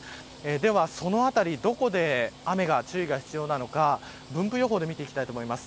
では、そのあたりどこで雨に注意が必要なのか分布予報で見ていきたいと思います。